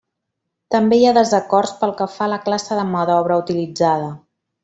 També hi ha desacords pel que fa a la classe de mà d'obra utilitzada.